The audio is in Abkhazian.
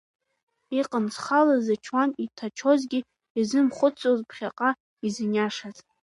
Иҟан, зхала зычуан иҭачозгьы, иазымхәыцӡоз ԥхьаҟа изыниашаз.